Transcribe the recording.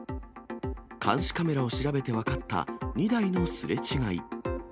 監視カメラを調べて分かった２台のすれ違い。